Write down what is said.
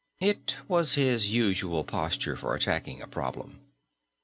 It was his usual posture for attacking a problem.